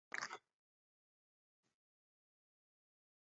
প্রভাতে বন হইতে যখন পাখি ডাকিয়া উঠিল, তখন রঘুপতি মৃতদেহ ছাড়িয়া উঠিয়া গেলেন।